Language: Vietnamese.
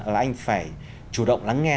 là anh phải chủ động lắng nghe